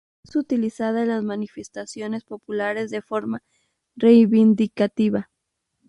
Es utilizada en las manifestaciones populares de forma reivindicativa.